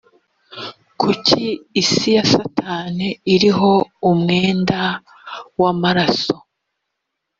kuki isi ya satani iriho umwenda w amaraso